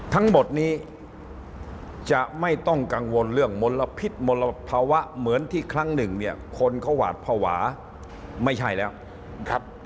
ทั้งหมดนี้จะไม่ต้องกังวลเรื่องมลพิษมลบภาวะเหมือนที่ครั้งนึงคนก็หวาดภวา